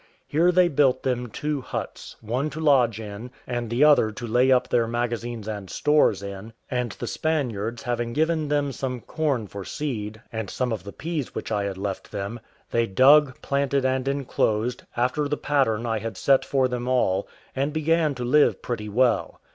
Here they built them two huts, one to lodge in, and the other to lay up their magazines and stores in; and the Spaniards having given them some corn for seed, and some of the peas which I had left them, they dug, planted, and enclosed, after the pattern I had set for them all, and began to live pretty well.